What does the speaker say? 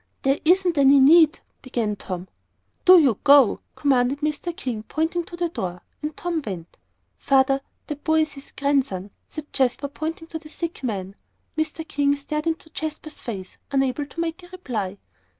"There isn't any need," began Tom. "Do you go!" commanded Mr. King, pointing to the door. And Tom went. "Father, that boy is his grandson," said Jasper, pointing to the sick man. Mr. King stared into Jasper's face, unable to make a reply.